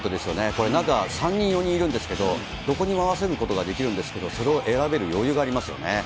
これ、なんか３人、４人いるんですけど、どこにも合わせることができるんですけど、それを選べる余裕がありますよね。